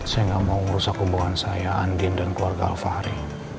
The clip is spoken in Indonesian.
saya tidak mau merusak kebohongan saya andien dan keluarga alfahri